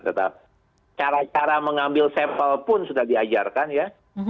tetap cara cara mengambil sampel pun sudah diajarkan ya